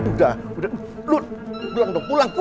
udah udah lu pulang dong pulang tuh